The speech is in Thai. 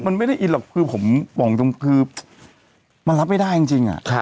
มันไม่ได้อินหรอกคือผมบอกตรงคือมันรับไม่ได้จริง